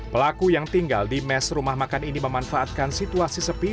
pelaku yang tinggal di mes rumah makan ini memanfaatkan situasi sepi